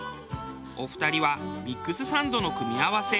お二人はミックスサンドの組み合わせ